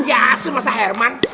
ya asun masa herman